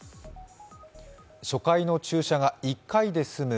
初回の注射が１回で済む